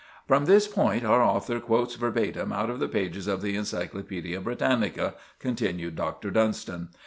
"From this point our author quotes verbatim out of the pages of the Encyclopædia Britannica," continued Dr. Dunstan.